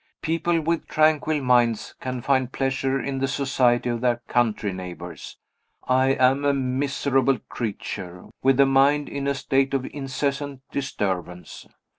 People with tranquil minds can find pleasure in the society of their country neighbors. I am a miserable creature, with a mind in a state of incessant disturbance.